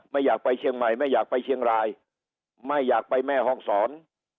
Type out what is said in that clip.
ไม่อยากไปเชียงใหม่ไม่อยากไปเชียงรายไม่อยากไปแม่ห้องศร